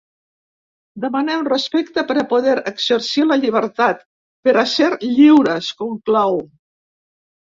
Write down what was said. Demanem respecte per a poder exercir la llibertat, per a ser lliures, conclou.